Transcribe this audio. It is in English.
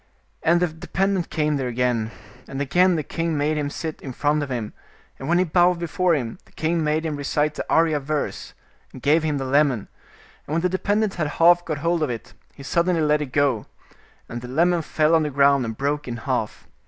And the dependent came there again, and again the king made him sit in front of him, and when he bowed before him, the king made him recite the Arya verse; and gave him the lemon, and when the dependent had half got hold of it, he suddenly let it go, and the lemon fell on the ground and broke in half.